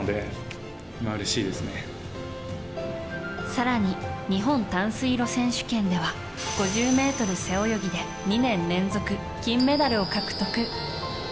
更に、日本短水路選手権では５０ｍ背泳ぎで２年連続金メダルを獲得。